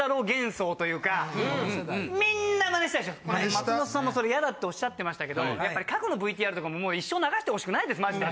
松本さんもそれ嫌だっておっしゃってましたけどやっぱり過去のＶＴＲとか一生流してほしくないですマジで。